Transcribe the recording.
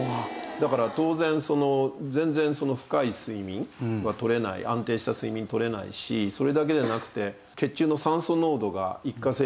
だから当然全然深い睡眠はとれない安定した睡眠とれないしそれだけじゃなくて。